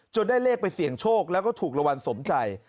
ได้เลขไปเสี่ยงโชคแล้วก็ถูกรางวัลสมใจ